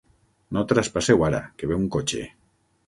No traspasseu ara, que ve un cotxe.